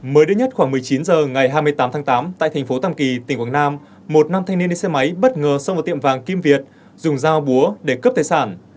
mới đây nhất khoảng một mươi chín h ngày hai mươi tám tháng tám tại thành phố tàm kỳ tỉnh quảng nam một nam thanh niên đi xe máy bất ngờ xông vào tiệm vàng kim việt dùng dao búa để cướp tài sản